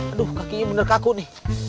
aduh kakinya bener kaku nih